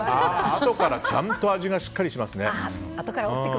あとからちゃんと味がしますね。